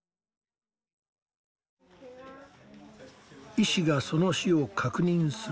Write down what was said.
医師がその死を確認する。